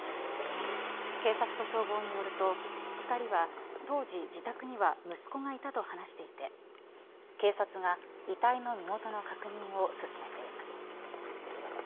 警察と消防によると２人は当時、自宅には息子がいたと話していて警察が遺体の身元の確認を進めています。